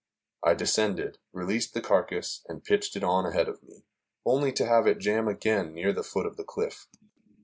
I descended, released the carcass and pitched it on ahead of me, only to have it jam again near the foot of the cliff.